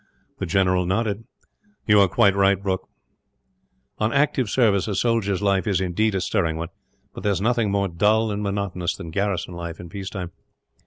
The general nodded. "You are quite right, Brooke; on active service a soldier's life is, indeed, a stirring one; but there is nothing more dull and monotonous than garrison life, in peace time."